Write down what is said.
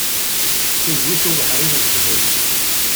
Yewwi-t ubeḥri n zzhu.